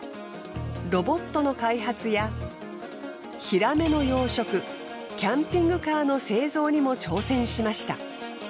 ロボットの開発やヒラメの養殖キャンピングカーの製造にも挑戦しました。